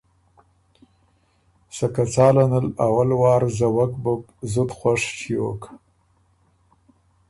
سکه څاله ان ال اول وار زوَک بُک، زُت خوش ݭیوک۔